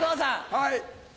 はい。